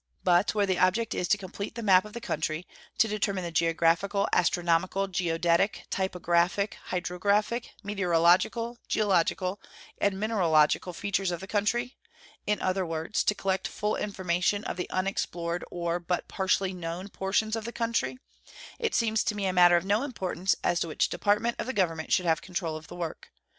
But where the object is to complete the map of the country; to determine the geographical, astronomical, geodetic, topographic, hydrographic, meteorological, geological, and mineralogical features of the country in other words, to collect full information of the unexplored or but partially known portions of the country it seems to me a matter of no importance as to which Department of the Government should have control of the work.